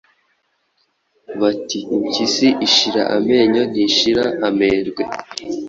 Bati Impyisi ishira amenyo ntishira amerwe”